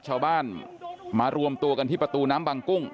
ชาวบ้านมารวมตัวกันที่ประตูน้ำบางกุ้ง